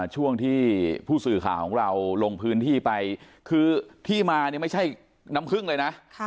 ช่วงที่ผู้สื่อข่าวของเราลงพื้นที่ไปคือที่มาเนี่ยไม่ใช่น้ำพึ่งเลยนะ